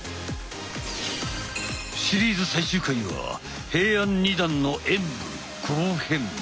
シリーズ最終回は平安二段の演武後編。